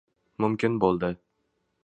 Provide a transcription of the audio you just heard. Mumkin bo‘ldi...